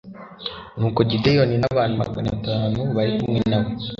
nuko gideyoni n'abantu magana atatu bari kumwe na we